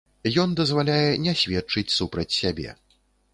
Ён дазваляе не сведчыць супраць сябе.